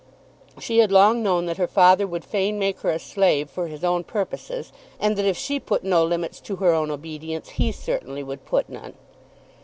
She had long known that her father would fain make her a slave for his own purposes, and that if she put no limits to her own obedience he certainly would put none.